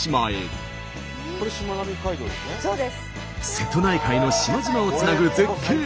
瀬戸内海の島々をつなぐ絶景